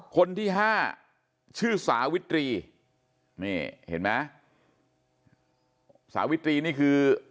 คนที่ห้าชื่อสาวิตรีนี่เห็นไหมสาวิตรีนี่คือ